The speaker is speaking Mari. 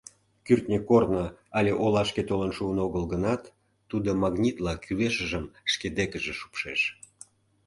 Кӱртньӧ корно але олашке толын шуын огыл гынат, тудо магнитла кӱлешыжым шке декыже шупшеш.